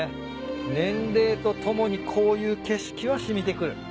年齢とともにこういう景色は染みてくる。